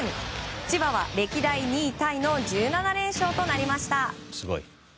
千葉は歴代２位タイの１７連勝となりました。